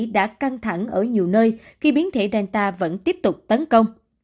răng thẳng ở nhiều nơi khi biến thể delta vẫn tiếp tục tấn công